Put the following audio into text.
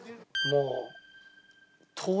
もう。